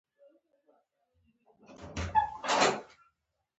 خو ټولې خپه کورنۍ په بېلابېلو بڼو خپه او غمجنې دي.